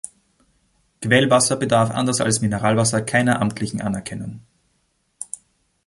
Quellwasser bedarf anders als Mineralwasser keiner amtlichen Anerkennung.